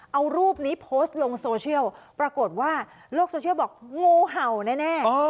เอารูปนี้โพสต์ลงโซเชียลปรากฏว่าโลกโซเชียลบอกงูเห่าแน่